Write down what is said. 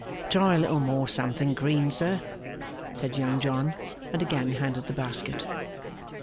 'Try a little more something green, sir,' said Young John; and again handed the basket.